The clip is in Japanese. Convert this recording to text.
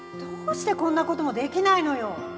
どうしてこんなこともできないのよ！